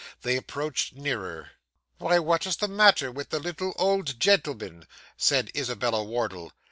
They approached nearer. 'Why, what is the matter with the little old gentleman?' said Isabella Wardle.